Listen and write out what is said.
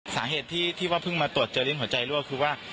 สาเหตุที่ว่าเพิ่งมาตรวจเจอลิ้นหัวใจรั่วคือว่า